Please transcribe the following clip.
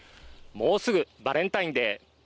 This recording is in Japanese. もうすぐバレンタインデー。